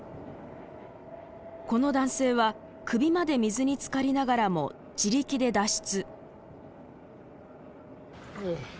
この男性は首まで水につかりながらも自力で脱出。